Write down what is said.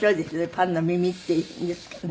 パンの耳っていうんですからね。